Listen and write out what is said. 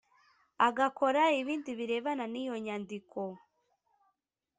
Agakora ibindi birebana n iyo nyandiko